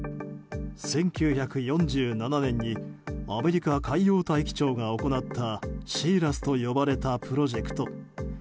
１９４７年にアメリカ海洋大気庁が行ったシーラスと呼ばれたプロジェクト。